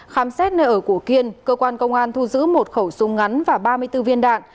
khám xét nơi ở của kiên cơ quan công an thu giữ một khẩu súng ngắn và ba mươi bốn viên đạn